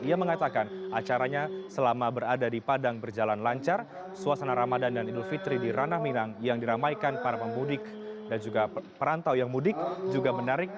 ia mengatakan acaranya selama berada di padang berjalan lancar suasana ramadan dan idul fitri di ranah minang yang diramaikan para pemudik dan juga perantau yang mudik juga menarik